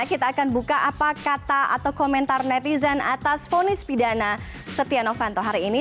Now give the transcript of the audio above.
kita akan buka apa kata atau komentar netizen atas fonis pidana setia novanto hari ini